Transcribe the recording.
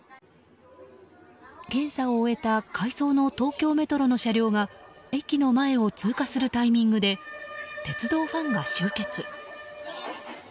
検査を終えた回送の東京メトロの車両が駅の前を通過するタイミングで鉄道ファンが集結。